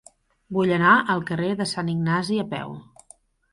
Vull anar al carrer de Sant Ignasi a peu.